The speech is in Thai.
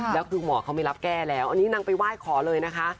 แล้วคือหมอเขาไม่รับแก้แล้วอันนี้นางไปไหว้ขอเลยนะคะ